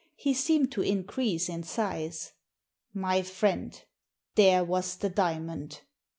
He seemed to increase in size. "My friend, there was the diamond.